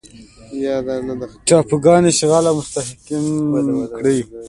ټاپوګان اشغال او مستحکم کړي.